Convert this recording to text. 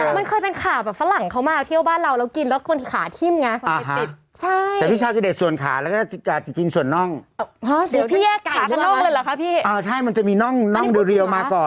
มันเคยเป็นขาฝรั่งเขามาเที่ยวบ้านเราแล้วกินแล้วขาทิ้มไง